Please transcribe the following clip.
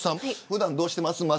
普段どうしていますか。